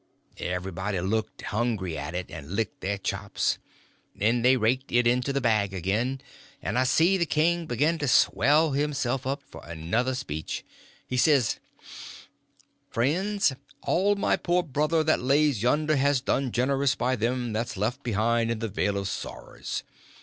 Everybody looked hungry at it, and licked their chops. Then they raked it into the bag again, and I see the king begin to swell himself up for another speech. He says: "Friends all, my poor brother that lays yonder has done generous by them that's left behind in the vale of sorrers.